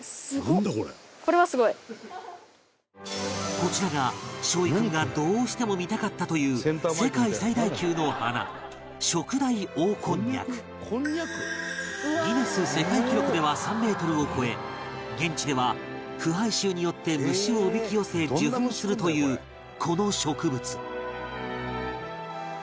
こちらが梢位君がどうしても見たかったという『ギネス世界記録』では３メートルを超え現地では腐敗臭によって虫をおびき寄せ受粉するというこの植物